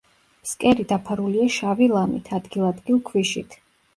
ფსკერი დაფარულია შავი ლამით, ადგილ-ადგილ ქვიშით.